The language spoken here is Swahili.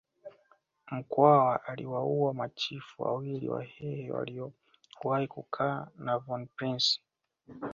Mkwawa aliwaua machifu wawili wahehe waliowahi kukaa na von Prince